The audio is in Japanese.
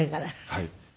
はい。